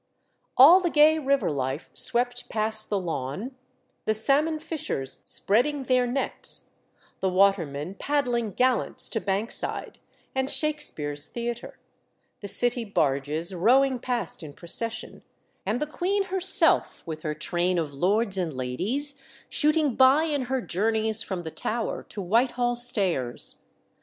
"All the gay river life swept past the lawn, the salmon fishers spreading their nets, the watermen paddling gallants to Bankside, and Shakspere's theatre, the city barges rowing past in procession, and the queen herself, with her train of lords and ladies, shooting by in her journeys from the Tower to Whitehall Stairs.